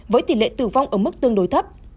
với tỷ lệ tử vong ở mức tương đối thấp